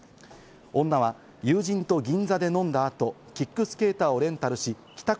女は友人と銀座で飲んだ後、キックスケーターをレンタルし帰宅